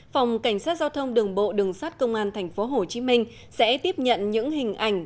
phòng cảnh sát giao thông đường bộ đường sát công an tp hcm sẽ tiếp nhận những hình ảnh